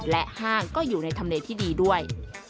และห้างก็อยู่ในธรรมเนที่ดีด้วย